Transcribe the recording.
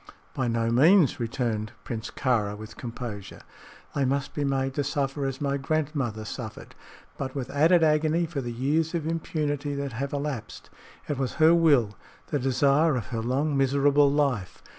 "By no means," returned Prince Kāra, with composure. "They must be made to suffer as my grandmother suffered, but with added agony for the years of impunity that have elapsed. It was her will the desire of her long, miserable life.